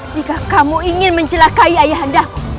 jika kamu ingin mencelakai ayah anda